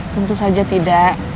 tentu saja tidak